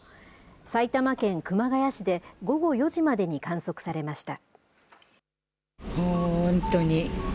埼玉県熊谷市で、午後４時までに観測されました。